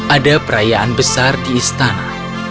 ada perayaan besar di istana